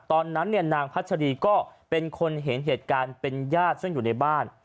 ตอนนั้นเนี่ยนางพัชรีก็เป็นคนเห็นเหตุการณ์เป็นญาติซึ่งอยู่ในบ้าน